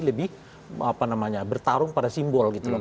lebih bertarung pada simbol gitu loh